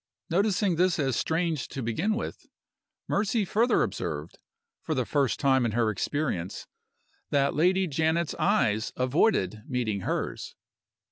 Noticing this as strange to begin with, Mercy further observed, for the first time in her experience, that Lady Janet's eyes avoided meeting hers.